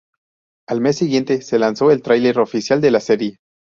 Al mes siguiente, se lanzó el tráiler oficial de la serie.